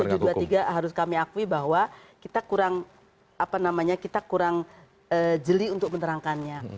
memang tadi tujuh ratus dua puluh tiga harus kami akui bahwa kita kurang jeli untuk menerangkannya